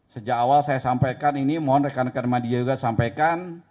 sejak awal saya sampaikan ini mohon rekan rekan media juga sampaikan